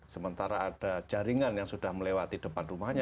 sementara ada jaringan yang sudah melewati depan rumahnya